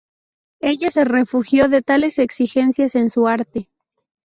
Ella se refugió de tales exigencias en su arte.